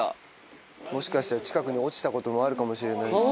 もしかしたら近くに落ちたこともあるかもしれないし。